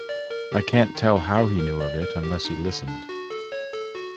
I can’t tell how he knew of it, unless he listened.